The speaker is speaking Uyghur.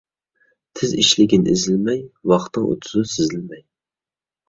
تېز ئىشلىگىن ئېزىلمەي، ۋاقتىڭ ئۆتىدۇ سېزىلمەي.